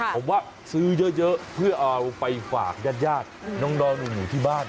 ผมว่าซื้อเยอะเพื่อเอาไปฝากญาติน้องหนูที่บ้าน